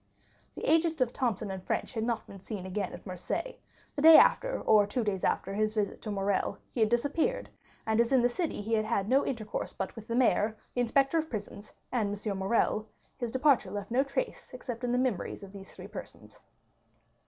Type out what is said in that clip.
The agent of Thomson & French had not been again seen at Marseilles; the day after, or two days after his visit to Morrel, he had disappeared; and as in that city he had had no intercourse but with the mayor, the inspector of prisons, and M. Morrel, his departure left no trace except in the memories of these three persons.